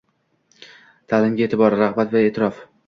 Ta’limga e’tibor: rag‘bat va e’tirof